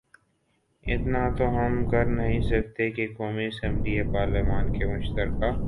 اتنا تو ہم کرنہیں سکتے کہ قومی اسمبلی یا پارلیمان کے مشترکہ